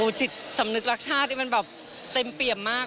จิตสำนึกรักชาตินี่มันแบบเต็มเปี่ยมมาก